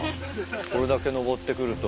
これだけ登ってくると。